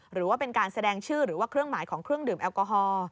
หรือว่าเป็นการแสดงชื่อหรือว่าเครื่องหมายของเครื่องดื่มแอลกอฮอล์